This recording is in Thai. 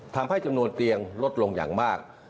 ทำให้จำนวนเตียงลดลงอย่างมาก